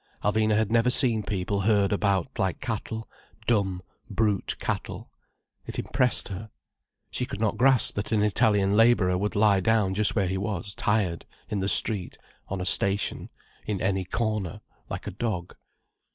Alvina had never seen people herd about like cattle, dumb, brute cattle. It impressed her. She could not grasp that an Italian labourer would lie down just where he was tired, in the street, on a station, in any corner, like a dog.